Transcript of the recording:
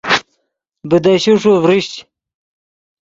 بیدشے ݰو ڤریشچ